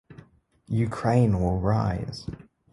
Ukraine will rise!